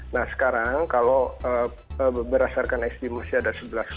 nah sekarang kalau berdasarkan estimasi ada sebelas empat puluh lima